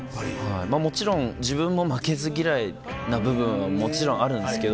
もちろん自分も負けず嫌いな部分はあるんですけど。